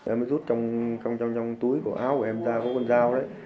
em rút trong túi của áo của em ra có con dao đấy